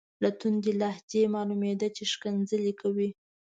له توندې لهجې یې معلومیده چې ښکنځلې کوي.